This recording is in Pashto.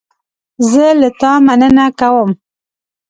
زه له تا مننه کوم.